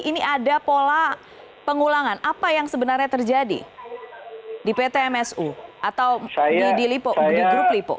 ini ada pola pengulangan apa yang sebenarnya terjadi di pt msu atau di grup lipo